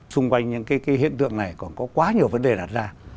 xung quanh những cái hiện tượng này còn có quá nhiều vấn đề đặt ra